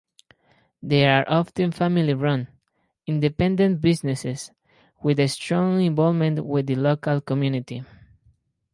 They are often family-run, independent businesses, with a strong involvement with the local community.